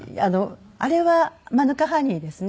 あれはマヌカハニーですね。